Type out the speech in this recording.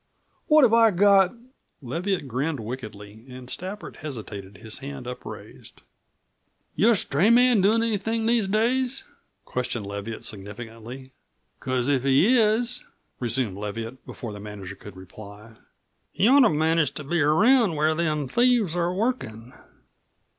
What have I got !" Leviatt grinned wickedly and Stafford hesitated, his hand upraised. "Your stray man doin' anything these days?" questioned Leviatt significantly. "Because if he is," resumed Leviatt, before the manager could reply, "he ought to manage to be around where them thieves are workin'."